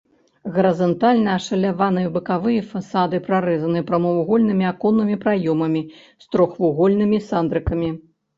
Гарызантальна ашаляваныя бакавыя фасады прарэзаны прамавугольнымі аконнымі праёмамі з трохвугольнымі сандрыкамі.